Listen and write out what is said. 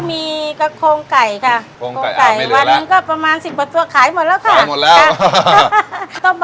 มีข้ำปุงอื่นไหม